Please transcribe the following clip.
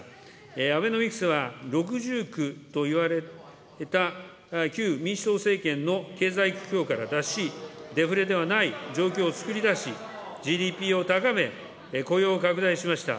アベノミクスは六重苦といわれた旧民主党政権の経済苦境から脱し、デフレではない状況をつくり出し、ＧＤＰを高め、雇用を拡大しました。